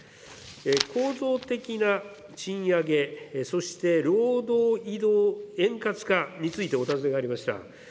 構造的な賃上げ、そして労働移動円滑化についてお尋ねがありました。